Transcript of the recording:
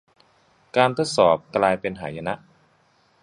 การทดสอบกลายเป็นหายนะ